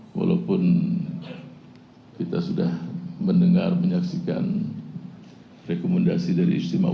walaupun kita sudah mendengar menyaksikan rekomendasi dari istimewa ulama